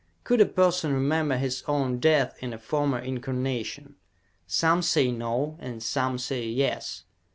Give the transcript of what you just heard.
Could a person remember his own death in a former incarnation? Some say "no," and some say "yes."